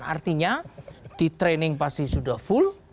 artinya di training pasti sudah full